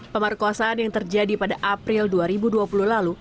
pemerkosaan yang terjadi pada april dua ribu dua puluh lalu